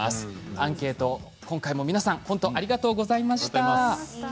アンケート、今回も皆さんありがとうございました。